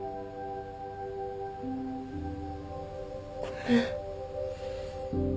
ごめん。